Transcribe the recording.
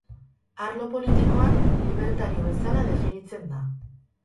Arlo politikoan, libertario bezala definitzen da.